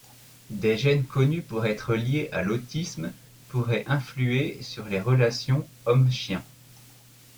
Des gènes connus pour être liés à l'autisme pourraient influer sur les relations homme-chien.